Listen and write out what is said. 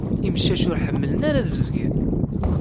Imcac ur ḥemmlen ara ad bezgen.